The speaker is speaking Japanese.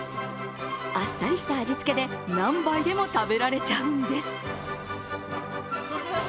あっさりした味付けで何杯でも食べられちゃうんです。